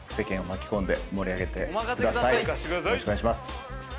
よろしくお願いします。